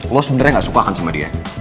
lo sebenarnya gak suka kan sama dia